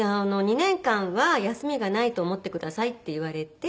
「２年間は休みがないと思ってください」って言われて。